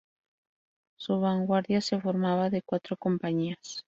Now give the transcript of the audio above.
Su vanguardia se formaba de cuatro compañías.